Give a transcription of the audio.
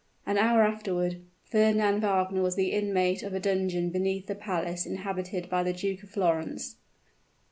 An hour afterward, Fernand Wagner was the inmate of a dungeon beneath the palace inhabited by the Duke of Florence.